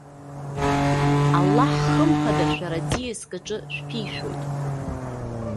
Аллаҳ, хымԥада, шәара ӡиаск аҿы шәԥишәоит.